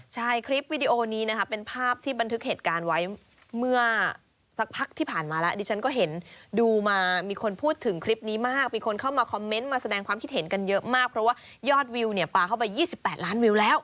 ใช่คลิปวิดีโอนี้นะคะเป็นภาพที่บันทึกเหตุการณ์ไว้เมื่อสักพักที่ผ่านมาแล้วดิฉันก็เห็นดูมามีคนพูดถึงคลิปนี้มากมีคนเข้ามาคอมเมนต์มาแสดงความคิดเห็นกันเยอะมากเพราะว่ายอดวิวเนี่ยปลาเข้าไป๒๘ล้านวิวแล้ว